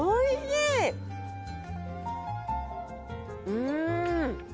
うん！